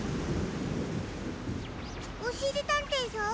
おしりたんていさん？